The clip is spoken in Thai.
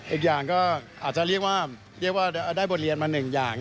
อีกอย่างก็อาจจะเรียกว่าเรียกว่าได้บทเรียนมาหนึ่งอย่าง